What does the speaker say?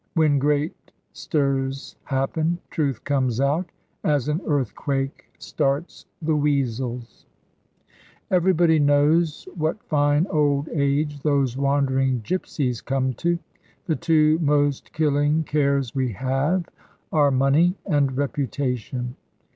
When great stirs happen, truth comes out; as an earthquake starts the weasels. Everybody knows what fine old age those wandering gypsies come to. The two most killing cares we have, are money, and reputation.